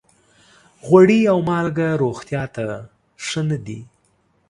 غوړي او مالګه روغتیا ته ښه نه دي.